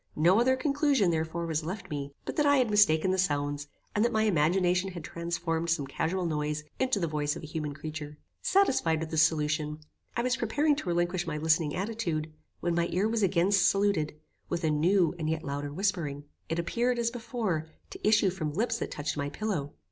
No other conclusion, therefore, was left me, but that I had mistaken the sounds, and that my imagination had transformed some casual noise into the voice of a human creature. Satisfied with this solution, I was preparing to relinquish my listening attitude, when my ear was again saluted with a new and yet louder whispering. It appeared, as before, to issue from lips that touched my pillow.